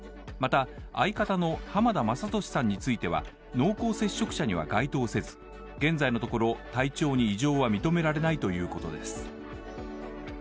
また、相方の浜田雅功さんについては濃厚接触者には該当せず、現在のところ体調に異常は認められないということです。